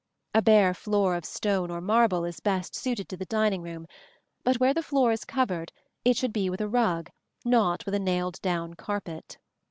A bare floor of stone or marble is best suited to the dining room; but where the floor is covered, it should be with a rug, not with a nailed down carpet.